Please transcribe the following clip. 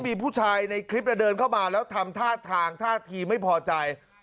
มีผู้ชายในคลิปเดินเข้ามาแล้วทำท่าทางท่าทีไม่พอใจ